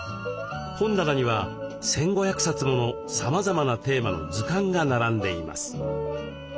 本棚には１，５００冊ものさまざまなテーマの図鑑が並んでいます。